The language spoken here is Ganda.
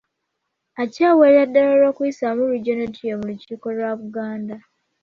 Akyawerera ddala olw’okuyisaamu Regional Tier mu lukiiko lwa Buganda